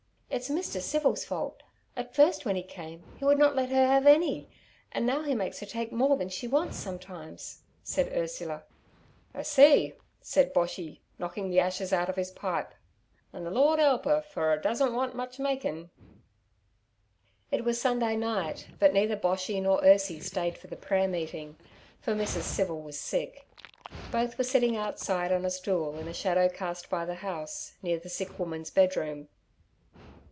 It's Mr. Civil's fault. At first when he came he would not let her have any, and now he makes her take more than she wants sometimes' said Ursula. 'I see' said Boshy, Knocking the ashes out of his pipe. 'An' ther Lord 'elp 'er, fer 'er doesn't wunt much makin'!' It was Sunday night, but neither Boshy nor Ursie stayed for the prayer meeting, for Mrs. Civil was sick. Both were sitting outside on a stool in a shadow cast by the house, near the sick woman's bedroom.